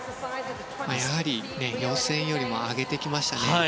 やはり予選よりも上げてきましたね。